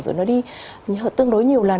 rồi nó đi tương đối nhiều lần